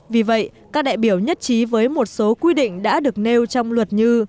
vì vậy các đại biểu nhất trí với một số quy định đã được nêu trong luật như